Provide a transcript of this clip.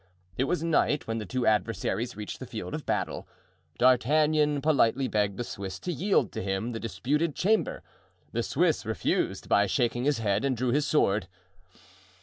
It was night when the two adversaries reached the field of battle. D'Artagnan politely begged the Swiss to yield to him the disputed chamber; the Swiss refused by shaking his head, and drew his sword.